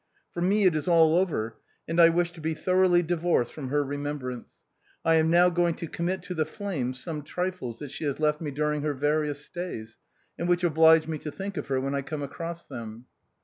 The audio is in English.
For me it is all over, and I wish to be thoroughly divorced from her remembrance. I am now going to commit to the flames some trifles that she has left me during her various stays, and which oblige me to think of her when I come across them."